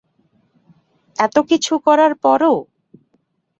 এত কিছু করার পরও?